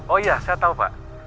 oh iya saya tahu pak